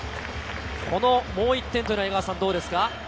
もう１点というのは江川さん、どうですか？